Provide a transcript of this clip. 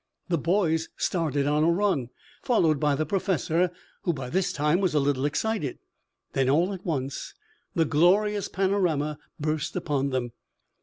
The boys started on a run, followed by the professor, who by this time was a little excited. Then all at once the glorious panorama burst upon them.